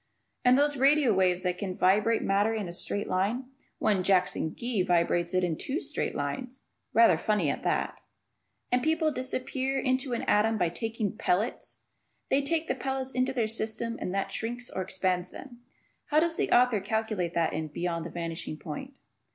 And those radio waves that can vibrate matter in a straight line! One Jackson Gee vibrates it in two straight lines. (Rather funny at that.) And people disappear into an atom by taking pellets! They take the pellets into their system and that shrinks or expands them. How does the author calculate that in "Beyond The Vanishing Point"?